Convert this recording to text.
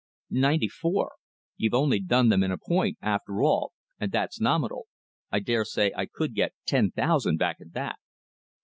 "Ninety four. You've only done them in a point, after all, and that's nominal. I daresay I could get ten thousand back at that."